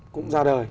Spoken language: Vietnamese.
cũng ra đời